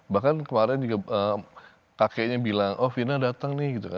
bahkan kemarin kakeknya bilang oh fina datang nih